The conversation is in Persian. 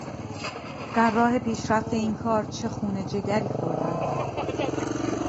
در راه پیشرفت این کار چه خون جگری خوردند.